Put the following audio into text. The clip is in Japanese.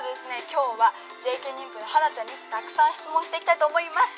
今日はＪＫ妊婦のハナちゃんにたくさん質問していきたいと思います